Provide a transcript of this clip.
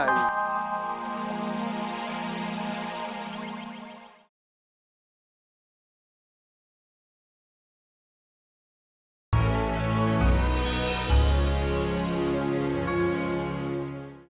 terima kasih bu